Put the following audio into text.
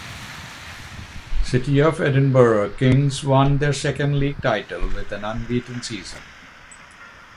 City of Edinburgh Kings won their second league title with an unbeaten season.